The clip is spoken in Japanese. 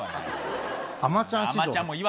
アマチュアだわ。